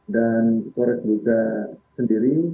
dan koren sdmk sendiri